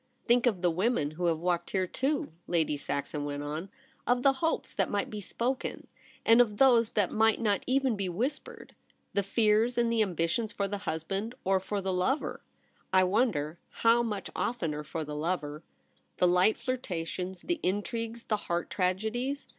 * Think of the women who have walked here, too !' Lady Saxon went on ;^ of the hopes that might be spoken, and of those that might not even be whispered ; the fears and the ambitions for the husband, or for the lover — I wonder how much oftener for the lover — the light flirtations, the intrigues, the heart tragedies.